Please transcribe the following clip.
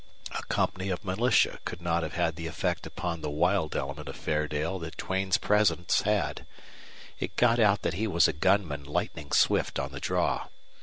A company of militia could not have had the effect upon the wild element of Fairdale that Duane's presence had. It got out that he was a gunman lightning swift on the draw.